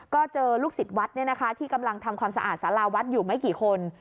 ก็เจอลูกศิษย์วัดที่กำลังทำความสะอาดสาราวัดอยู่ไม่กี่คน